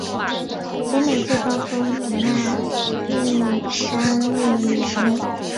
北美最高峰迪纳利山位于园内。